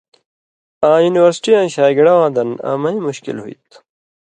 آں یونیورسٹیاں شاگِڑہ واں دَن امَیں مُشکل ہُوئ تھُو۔